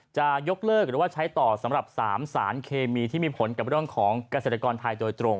จะยกเลิกหรือว่าใช้ต่อสำหรับ๓สารเคมีที่มีผลกับเรื่องของเกษตรกรไทยโดยตรง